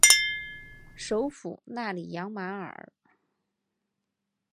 首府纳里扬马尔。